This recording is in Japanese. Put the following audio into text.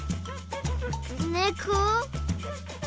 ねこ？